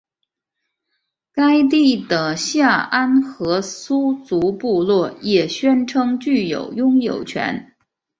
该地的夏安河苏族部落也宣称具有拥有权。